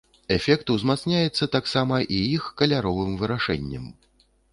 Эфект узмацняецца таксама і іх каляровым вырашэннем.